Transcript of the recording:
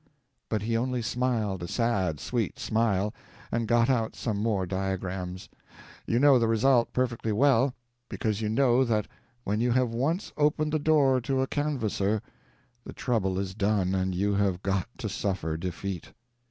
But he only smiled a sad, sweet smile, and got out some more diagrams. You know the result perfectly well, because you know that when you have once opened the door to a canvasser, the trouble is done and you have got to suffer defeat.